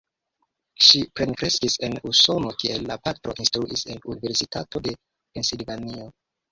Ŝi plenkreskis en Usono, kie la patro instruis en Universitato de Pensilvanio.